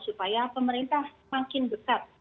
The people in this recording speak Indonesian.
supaya pemerintah makin dekat